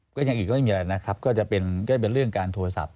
ก็ยังอีกก็ไม่มีอะไรนะครับก็จะเป็นเรื่องการโทรศัพท์